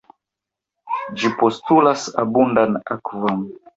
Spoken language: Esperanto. Ĝi postulas abundan akvon.